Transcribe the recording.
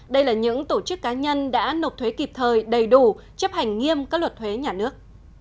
đây là những tổ chức cá nhân đã nộp thuế kịp thời đầy đủ chấp hành nghiêm các luật thuế nhà nước